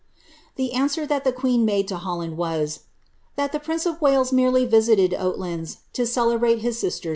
* The answer that the queen made to Holland was, " that the prince of Wales merely visited Oatlands to celebrate his sister's birth day."